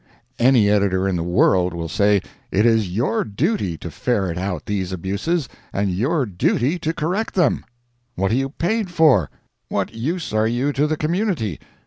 Any editor in the world will say it is your duty to ferret out these abuses, and your duty to correct them. What are you paid for? What use are you to the community?